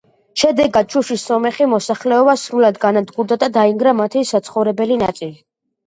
შედეგად შუშის სომეხი მოსახლეობა სრულად განადგურდა და დაინგრა მათი საცხოვრებელი ნაწილი.